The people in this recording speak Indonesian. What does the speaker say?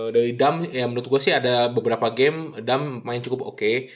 dari dum ya menurut gue sih ada beberapa game dam main cukup oke